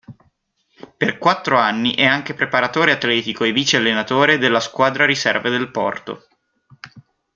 Per quattro anni è anche preparatore atletico e vice-allenatore della squadra riserve del Porto.